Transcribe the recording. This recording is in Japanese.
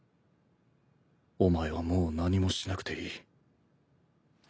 お前はもう何もしなくていい。